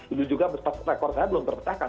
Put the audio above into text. itu juga pas rekor saya belum terpecahkan